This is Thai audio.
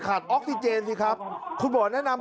ออกซิเจนสิครับคุณหมอแนะนำ